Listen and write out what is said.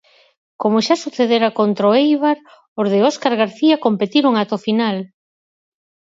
Como xa sucedera contra o Éibar, os de Óscar García competiron ata o final.